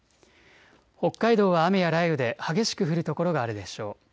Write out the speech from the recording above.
北海道は雨や雷雨で激しく降る所があるでしょう。